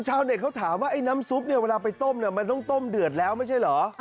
ชาวเน็ตเขาถามว่าไอ้น้ำซุปเนี่ยเวลาไปต้มมันต้องต้มเดือดแล้วไม่ใช่เหรอ